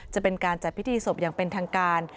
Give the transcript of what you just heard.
จะเป็นการจัดพิธีศพอย่างเป็นทางการ